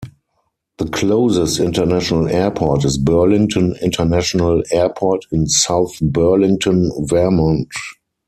The closest international airport is Burlington International Airport in South Burlington, Vermont.